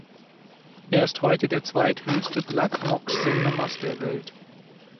Er ist heute der zweithöchste Blatt-Knox-Sendemast der Welt.